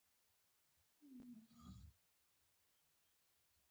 پښتو ته د پام ورکول د ټولنې د یووالي لامل ګرځي.